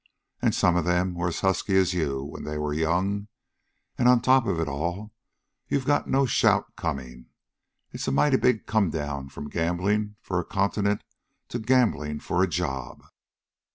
And some of them were as husky as you when they were young. And on top of it all you've got no shout coming. It's a mighty big come down from gambling for a continent to gambling for a job."